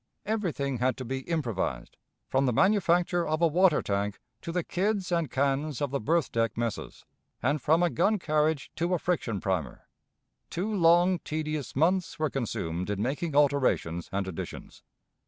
Everything had to be improvised, from the manufacture of a water tank to the kids and cans of the berth deck messes, and from a gun carriage to a friction primer. ... Two long, tedious months were consumed in making alterations and additions.